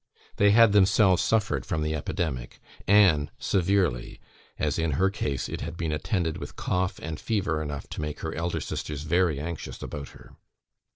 They had themselves suffered from the epidemic; Anne severely, as in her case it had been attended with cough and fever enough to make her elder sisters very anxious about her.